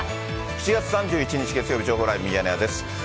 ７月３１日月曜日、情報ライブミヤネ屋です。